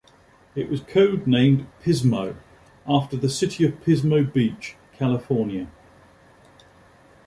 It was code named "Pismo" after the City of Pismo Beach, California.